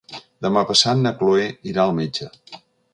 Demà passat na Chloé irà al metge.